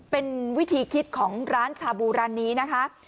เป็นวิธีคิดของร้านชาบูร้านนี้นะคะ